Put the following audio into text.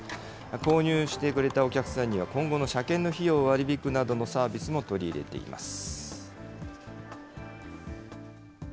購入してくれたお客さんには、今後の車検の費用を割り引くなどのサービスも取り入れています。